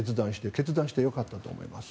決断してよかったと思います。